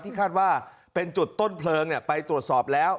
คาดว่าเป็นจุดต้นเพลิงไปตรวจสอบแล้ว